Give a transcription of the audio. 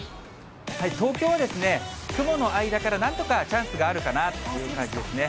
東京は雲の間からなんとかチャンスがあるかなという感じですね。